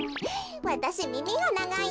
わたしみみがながいの。